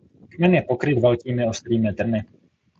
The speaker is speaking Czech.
Kmen je pokryt velkými ostrými trny.